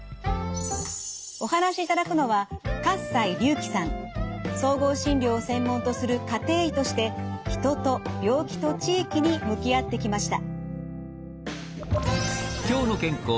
お話しいただくのは総合診療を専門とする家庭医として人と病気と地域に向き合ってきました。